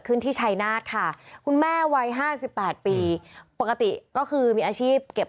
ขึ้นที่ชัยนาฬค่ะคุณแม่วัย๕๘ปีปกติก็คือมีอาชีพเก็บ